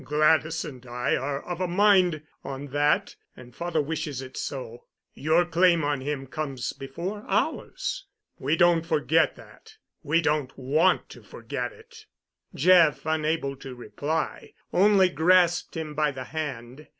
Gladys and I are of a mind on that, and father wishes it so. Your claim on him comes before ours—we don't forget that—we don't want to forget it." Jeff, unable to reply, only grasped him by the hand.